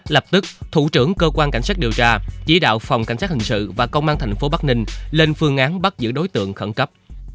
lập tức thủ trưởng cơ quan cảnh sát điều tra chỉ đạo phòng cảnh sát hình sự và công an tp bắc ninh lên phương án bắt giữ đối tượng khẩn cấp